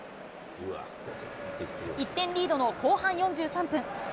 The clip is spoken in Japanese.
１点リードの後半４３分。